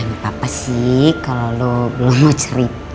ya gak apa apa sih kalau lo belum mau cerita